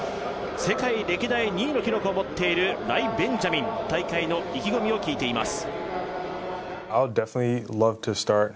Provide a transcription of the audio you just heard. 世界歴代２位の記録を持っているライ・ベンジャミン大会の意気込みを聞いています。